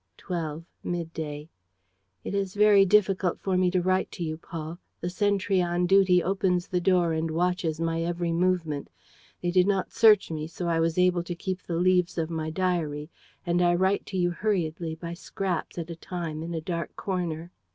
"Twelve mid day. "It is very difficult for me to write to you, Paul. The sentry on duty opens the door and watches my every movement. They did not search me, so I was able to keep the leaves of my diary; and I write to you hurriedly, by scraps at a time, in a dark corner.